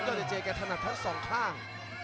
ยอดเจเจกระถนัดทั้งสองข้าง